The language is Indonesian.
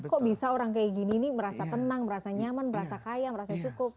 kok bisa orang seperti ini merasa tenang merasa nyaman merasa kaya merasa cukup